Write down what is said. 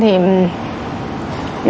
thì lễ vu lan thì